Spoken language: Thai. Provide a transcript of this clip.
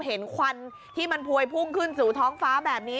ควันที่มันพวยพุ่งขึ้นสู่ท้องฟ้าแบบนี้